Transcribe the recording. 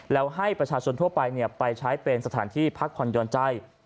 แล้วให้ประชาชนทั่วไปไปใช้เป็นสถานที่พักผ่อนหย่อนใจ